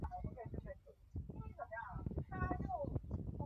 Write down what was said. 剑川马铃苣苔为苦苣苔科马铃苣苔属下的一个种。